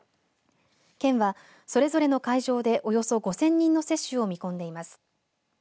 県は、それぞれの会場でおよそ５０００人の接種を見込んでいます。